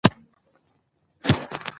کلي د افغانستان د سیلګرۍ یوه برخه ده.